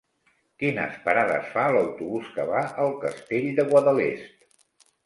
Quines parades fa l'autobús que va al Castell de Guadalest?